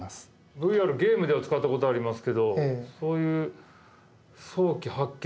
ＶＲゲームでは使ったことありますけどそういう早期発見にも役立つんですか？